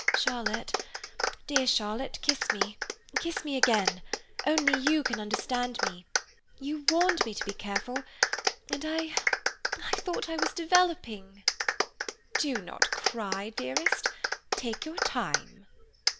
"Charlotte, dear Charlotte, kiss me. Kiss me again. Only you can understand me. You warned me to be careful. And I—I thought I was developing." "Do not cry, dearest. Take your time."